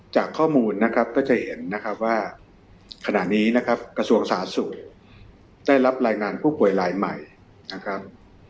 จากข้อมูลนะครับก็จะเห็นนะครับว่าขณะนี้นะครับกระทรวงสาธารณสุขได้รับรายงานผู้ป่วยลายใหม่นะครับ